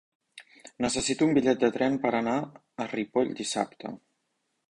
Necessito un bitllet de tren per anar a Ripoll dissabte.